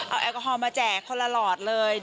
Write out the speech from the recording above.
เอาแอลกอฮอลมาแจกคนละหลอดเลย